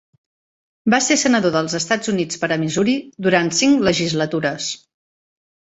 Va ser senador dels Estats Units per a Missouri durant cinc legislatures.